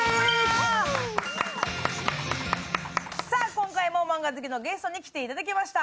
今回もマンガ好きのゲストの方に来ていただきました。